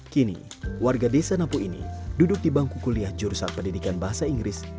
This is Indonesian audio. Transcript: kini warga desa napu ini duduk di bangku kuliah jurusan pendidikan bahasa inggris